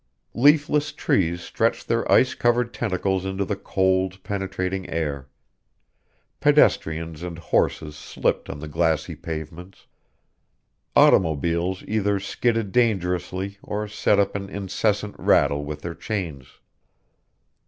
Leafless trees stretched their ice covered tentacles into the cold, penetrating air; pedestrians and horses slipped on the glassy pavements; automobiles either skidded dangerously or set up an incessant rattle with their chains.